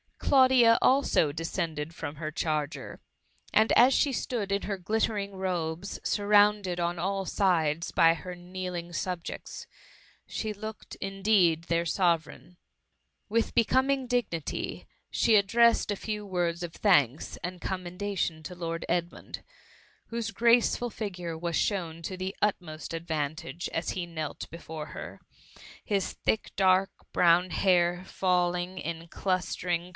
Claudia, also, descended from her charger, and as she stood in her glittering robes, surrounded on all sides by her kneeling subjects, she looked, indeed, their Sovereign. With becoming dignity, she addressed a few words of thanks and commendation to Lord Edmund ; whose graceful figure was shown to the utmost advantage, as he knelt before her, his thick, dark, brown hair falling in clustering THE MUMMT.